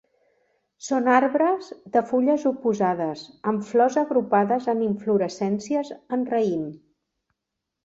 Són arbres de fulles oposades amb flors agrupades en inflorescències en raïm.